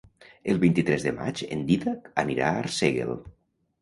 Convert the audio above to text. El vint-i-tres de maig en Dídac anirà a Arsèguel.